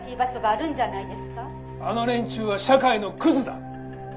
「あの連中は社会のクズだ！」